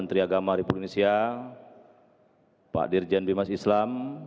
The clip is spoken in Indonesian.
menteri agama republik indonesia pak dirjen bimas islam